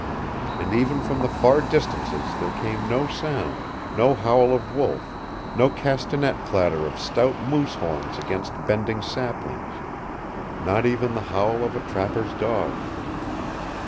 And even from the far distances there came no sound, no howl of wolf, no castanet clatter of stout moose horns against bending saplings not even the howl of a trapper's dog.